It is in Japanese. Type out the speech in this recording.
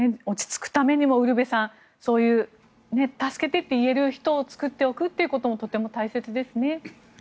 落ち着くためにもウルヴェさんそういう助けてと言える人を作っておくということもとても大切ですね。